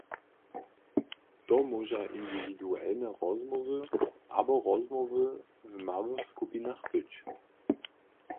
To móža indiwiduelne rozmołwy abo rozmołwy w małych skupinach być.